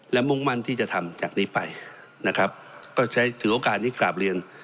และมุ่งมั่นที่จะทำจากนี้ไปนะครับก็ใช้ถือโอกาสนี้กราบเรียน